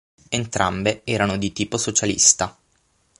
Entrambe erano di tipo socialista.